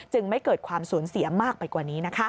ไม่เกิดความสูญเสียมากไปกว่านี้